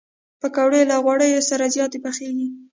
پکورې له غوړیو سره زیاتې پخېږي